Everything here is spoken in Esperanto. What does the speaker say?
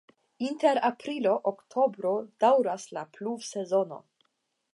Inter aprilo-oktobro daŭras la pluvsezono.